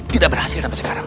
tidak berhasil sampai sekarang